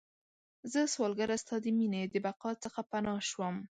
زه سوالګره ستا د میینې، د بقا څخه پناه شوم